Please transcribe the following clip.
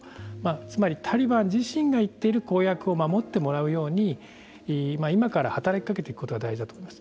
つまりタリバン自身が言っている公約を守ってもらうように今から働きかけていくことが大事だと思います。